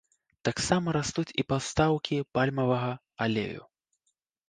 Таксама растуць і пастаўкі пальмавага алею.